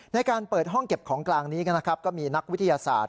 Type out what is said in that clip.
ในการเปิดห้องเก็บของกลางนี้ก็มีนักวิทยาศาสตร์